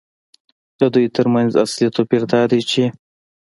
د دوی ترمنځ اصلي توپیر دا دی چې